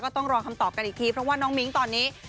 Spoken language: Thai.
ต้องรอคำตอบกันอีกทีเพราะว่าน้องมิ้งตอนนี้